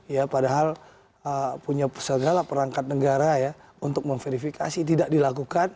ya padahal punya segala perangkat negara ya untuk memverifikasi tidak dilakukan